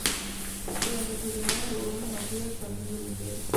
Durante su reinado logró una masiva expansión del imperio.